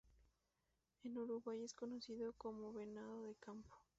En Uruguay es conocido como venado de campo.